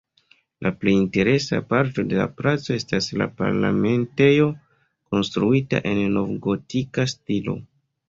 La plej interesa parto de la placo estas la Parlamentejo konstruita en novgotika stilo.